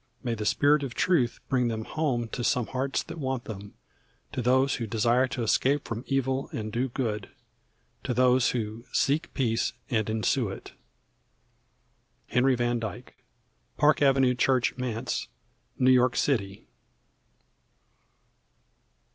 May the Spirit of Truth bring them home to some hearts that want them, to those who desire to escape from evil and do good, to those who "seek peace and ensue it." HENRY VAN DYKE. Park Avenue Church Manse, New York City.